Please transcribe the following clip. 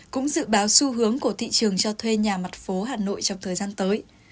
cũng dự báo xu hướng của thị trường cho thuê nhà mặt phố hà nội trong thời gian tới